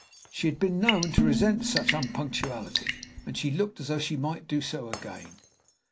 She had been known to resent such unpunctuality, and she looked as though she might do so again.